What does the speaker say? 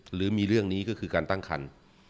หรือมีเรื่องนี้ก็คือการตั้งคัน